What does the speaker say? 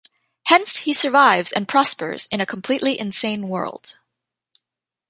Hence he survives and prospers in a completely insane world.